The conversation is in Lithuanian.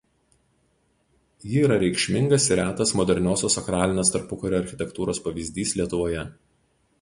Ji yra reikšmingas ir retas moderniosios sakralinės tarpukario architektūros pavyzdys Lietuvoje.